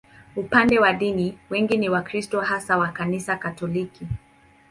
Upande wa dini, wengi ni Wakristo, hasa wa Kanisa Katoliki.